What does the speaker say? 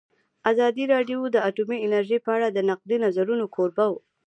ازادي راډیو د اټومي انرژي په اړه د نقدي نظرونو کوربه وه.